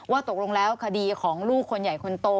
ตกลงแล้วคดีของลูกคนใหญ่คนโต